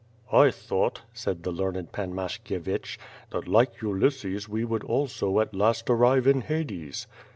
"I thought,^' said the learned Pan Mashkievich, "that like Ulysses we would also at last arrive in Hades.''